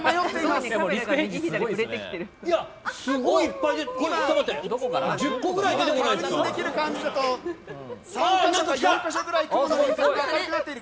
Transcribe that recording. すごいいっぱい出てる！